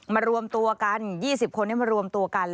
รวมตัวกัน๒๐คนให้มารวมตัวกัน